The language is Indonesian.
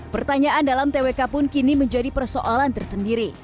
pertanyaan dalam twk pun kini menjadi persoalan tersendiri